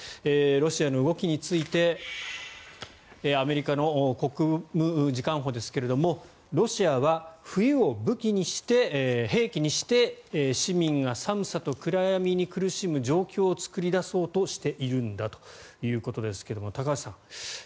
ロシアの動きについてアメリカの国務次官補ですがロシアは冬を兵器にして市民が寒さと暗闇に苦しむ状況を作り出そうとしているんだということですが高橋さん